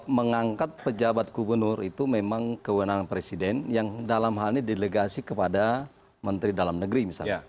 mengangkat pejabat gubernur itu memang kewenangan presiden yang dalam hal ini delegasi kepada menteri dalam negeri misalnya